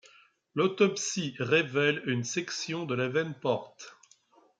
L'autopsie révèle une section de la veine porte.